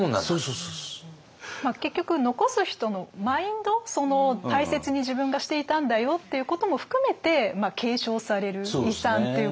結局残す人のマインド大切に自分がしていたんだよっていうことも含めて継承される遺産っていうことなんですよね。